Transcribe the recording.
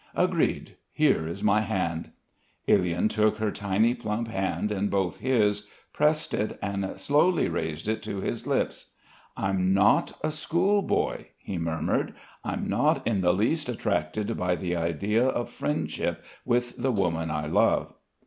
"Agreed! Here is my hand." Ilyin took her tiny plump hand in both his, pressed it and slowly raised it to his lips. "I'm not a schoolboy," he murmured. "I'm not in the least attracted by the idea of friendship with the woman I love."